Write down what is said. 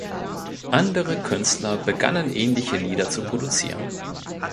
Andere Künstler begannen ähnliche Lieder zu produzieren.